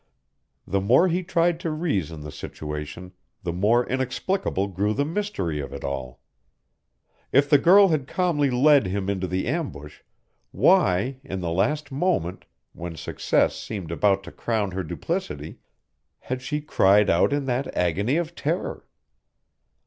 The more he tried to reason the situation, the more inexplicable grew the mystery of it all. If the girl had calmly led him into the ambush, why, in the last moment, when success seemed about to crown her duplicity, had she cried out in that agony of terror?